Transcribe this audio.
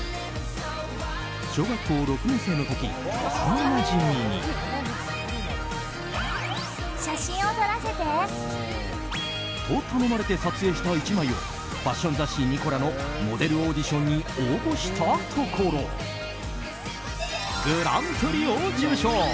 小学校６年生の時、幼なじみに。と頼まれて撮影した１枚をファッション雑誌「ニコラ」のモデルオーディションに応募したところグランプリを受賞！